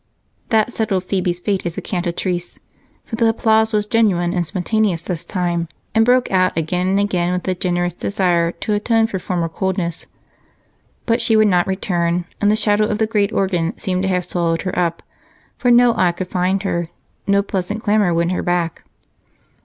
That settled Phebe's fate as a cantatrice. The applause was genuine and spontaneous this time and broke out again and again with the generous desire to atone for former coldness. But she would not return, and the shadow of the great organ seemed to have swallowed her up, for no eye could find her, no pleasant clamor win her back.